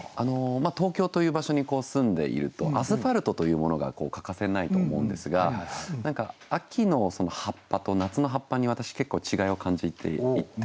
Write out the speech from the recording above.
東京という場所に住んでいるとアスファルトというものが欠かせないと思うんですが何か秋の葉っぱと夏の葉っぱに私結構違いを感じていて。